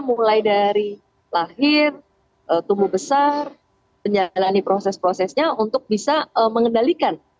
mulai dari lahir tumbuh besar menjalani proses prosesnya untuk bisa mengendalikan